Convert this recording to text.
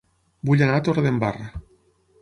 Vull anar a Torredembarra